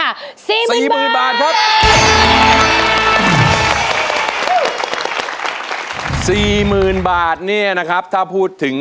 แล้วก็ของลายให้ล้าง